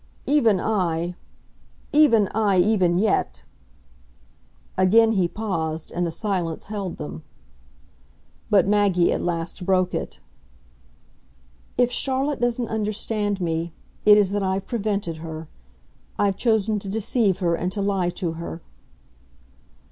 "Even I, even I even yet !" Again he paused and the silence held them. But Maggie at last broke it. "If Charlotte doesn't understand me, it is that I've prevented her. I've chosen to deceive her and to lie to her."